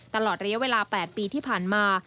ตลอดระยะเวลา๘ปีที่ผ่านมา